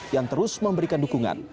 yang terus memberikan dukungan